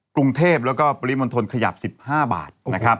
กรุงเทพแล้วก็ปริมณฑลขยับ๑๕บาทนะครับ